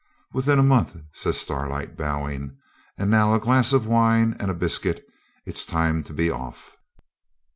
'Within a month,' says Starlight, bowing. 'And now a glass of wine and a biscuit, it's time to be off.'